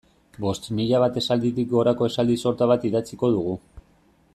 Bost mila bat esalditik gorako esaldi sorta bat idatziko dugu.